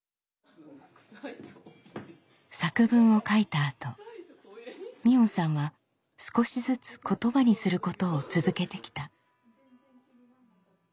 作文を書いたあと海音さんは少しずつ言葉にすることを続けてきた。